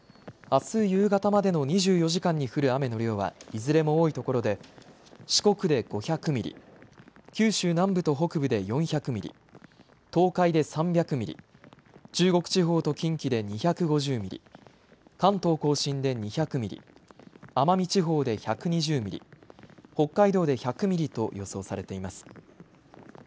あす夕方までの２４時間に降る雨の量はいずれも多いところで四国で５００ミリ、九州南部と北部で４００ミリ、東海で３００ミリ、中国地方と近畿で２５０ミリ、関東甲信で２００ミリ、奄美地方で１２０ミリ、北海道で１００ミリと予想されています。